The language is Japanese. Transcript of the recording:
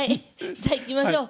じゃあいきましょう。